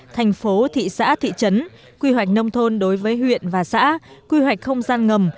thị xã thị trấn quy hoạch nông thôn đối với huyện và xã quy hoạch không gian ngầm